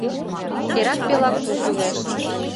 Терак пелак пу кӱлеш.